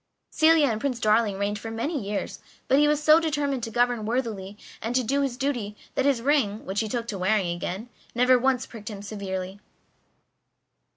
Celia and Prince Darling reigned for many years, but he was so determined to govern worthily and to do his duty that his ring, which he took to wearing again, never once pricked him severely.